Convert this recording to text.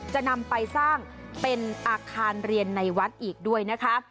จะนำไปสร้างเป็นอาคารเรียนในวัดอีกด้วยนะคะ